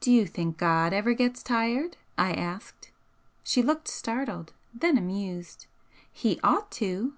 "Do you think God ever gets tired?" I asked. She looked startled, then amused. "He ought to!"